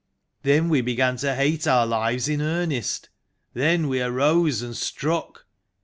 Then we began to hate our lives in earnest ; then we arose and struck.